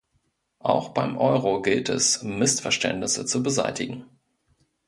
Auch beim Euro gilt es, Missverständnisse zu beseitigen.